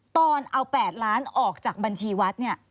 ตอนเอา๘ล้านออกจากบัญชีวัดเนี่ย